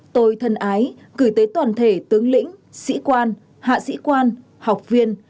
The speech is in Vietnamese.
tôi thân ái cử tế toàn thể tướng lĩnh sĩ quan hạ sĩ quan học viên